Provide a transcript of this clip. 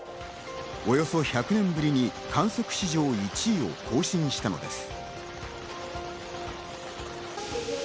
およそ１００年ぶりに観測史上１位を更新したのです。